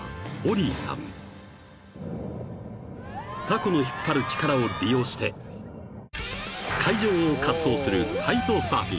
［たこの引っ張る力を利用して海上を滑走する］